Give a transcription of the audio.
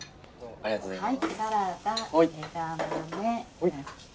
ありがとうございます。